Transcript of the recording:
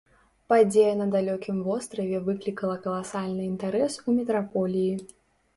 Падзея на далёкім востраве выклікала каласальны інтарэс у метраполіі.